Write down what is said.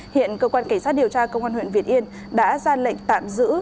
hiện cơ quan cảnh sát điều tra công an huyện việt yên đã ra lệnh tạm giữ